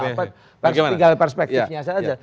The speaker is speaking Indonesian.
tinggal perspektifnya saja